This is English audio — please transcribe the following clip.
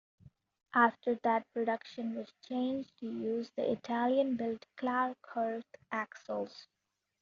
After that production was changed to use the Italian built Clark-Hurth axles.